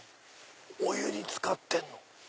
お湯につかってんの！